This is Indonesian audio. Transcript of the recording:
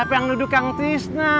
siapa yang nuduh kang tisna